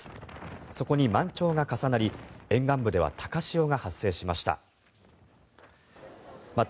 そこに満潮が重なり沿岸部では高潮が発生しました。